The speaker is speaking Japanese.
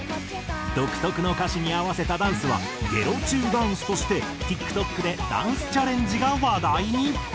独特の歌詞に合わせたダンスは「ゲロチューダンス」としてＴｉｋＴｏｋでダンスチャレンジが話題に。